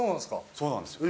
そうなんですよ。